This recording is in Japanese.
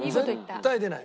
絶対出ない。